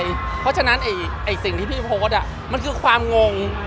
เพราะฉะนั้นสิ่งที่พี่โพสต์มันคือความงง